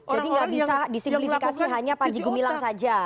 jadi nggak bisa disimplifikasi hanya pak jiko milang saja